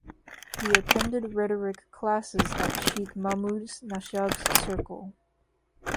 He attended rhetoric classes at Sheikh Mahmoud Nashabh’ circle.